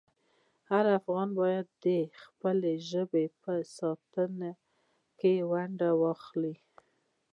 هر افغان باید د خپلې ژبې په ساتنه کې ونډه واخلي.